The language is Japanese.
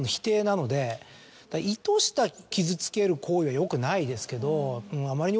意図した傷つける行為はよくないですけど。